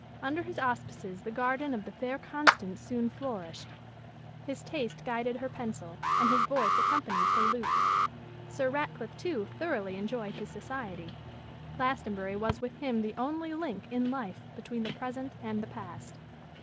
Under his auspices the garden of the fair Constance soon flourished: his taste guided her pencil, and his voice accompanied her lute. Sir Ratcliffe, too, thoroughly enjoyed his society: Glastonbury was with him the only link, in life, between the present and the past.